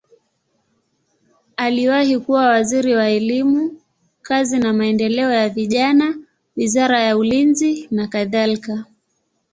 Aliwahi kuwa waziri wa elimu, kazi na maendeleo ya vijana, wizara ya ulinzi nakadhalika.